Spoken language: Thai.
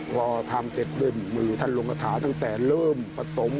พอทำเสร็จเรื่องมือถ้าลงคาถาตั้งแต่เริ่มผสม